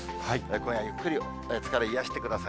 今夜ゆっくり疲れ癒やしてください。